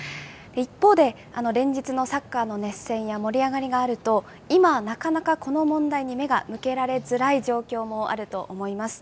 一方で、連日のサッカーの熱戦や盛り上がりがあると、今、なかなかこの問題に目が向けられづらい状況もあると思います。